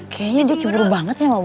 kayaknya juga cemburu banget ya